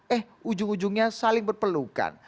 eh ujung ujungnya saling berpelukan